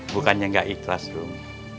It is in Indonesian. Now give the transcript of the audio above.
bukannya gak ikhlas dong